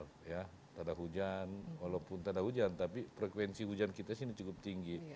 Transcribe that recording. tidak ada hujan walaupun tak ada hujan tapi frekuensi hujan kita sini cukup tinggi